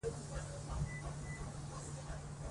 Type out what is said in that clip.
مېلې د کلتوري تبادلې او تفاهم یوه ښه وسیله ده.